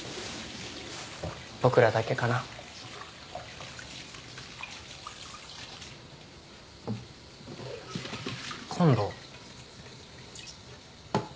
僕らだけかな。今度。